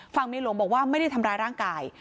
เมียหลวงบอกว่าไม่ได้ทำร้ายร่างกาย